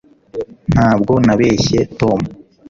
ntabwo nabeshye tom